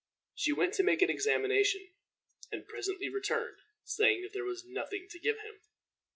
She went to make examination, and presently returned, saying that there was nothing to give him.